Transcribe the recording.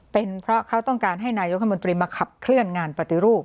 เป็นเพราะเขาต้องการให้นายกรัฐมนตรีมาขับเคลื่อนงานปฏิรูป